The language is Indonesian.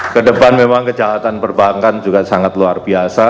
kedepan memang kejahatan perbankan juga sangat luar biasa